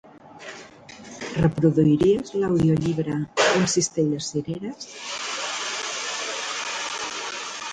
Reproduiries l'audiollibre "Un cistell de cireres"?